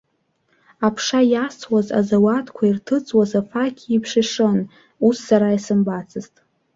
Аԥша иасуаз азауадқәа ирҭыҵуаз афақь еиԥш ишын, ус сара исымбацызт.